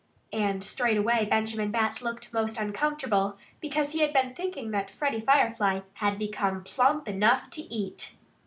And straightway Benjamin Bat looked most uncomfortable, because he had been thinking that Freddie Firefly HAD BECOME PLUMP ENOUGH TO EAT.